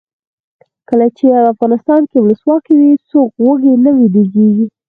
کله چې افغانستان کې ولسواکي وي څوک وږی نه ویدېږي.